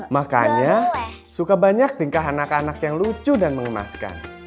makanya suka banyak tingkah anak anak yang lucu dan mengemaskan